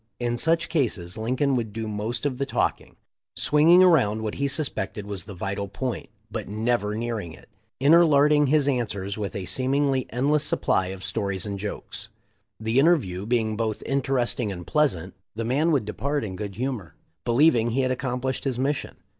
In such cases Lincoln would do most of the talking, swinging around what he suspected was the vital point, but never nearing it, interlarding his answers with a seemingly endless supply of stories and jokes. The interview being both interesting and pleasant, the man would depart in good humor, believing he had accomplished his mission.